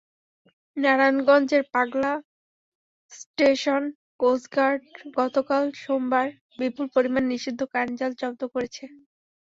নারায়ণগঞ্জের Pagla station coast guard গতকাল সোমবার বিপুল পরিমাণ নিষিদ্ধ কারেন্ট জাল জব্দ করেছে।